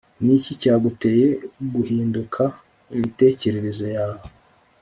ni iki cyaguteye guhindura imitekerereze yawe